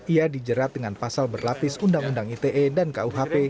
ia dijerat dengan pasal berlapis undang undang ite dan kuhp